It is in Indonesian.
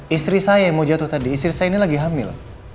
istri saya yang mau jatuh tadi istri saya ini lagi hamil